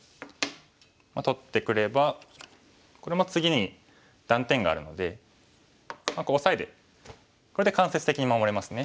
取ってくればこれも次に断点があるのでオサエでこれで間接的に守れますね。